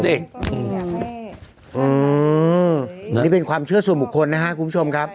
อืมอื้อนี่เป็นความเชื่อสู่หมู่คนนะฮะคุณผู้ชมครับ